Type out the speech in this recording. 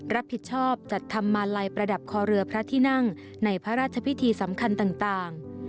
รับผิดชอบจัดทำมาลัยประดับคอเรือพระที่นั่งในพระราชพิธีสำคัญต่าง